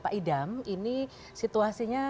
pak idam ini situasinya